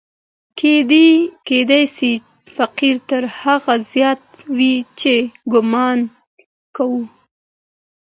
کېدای سي فقر تر هغه زیات وي چې ګومان کوو.